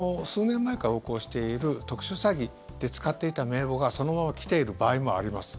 これ、数年前から横行している特殊詐欺で使っていた名簿がそのまま来ている場合もあります。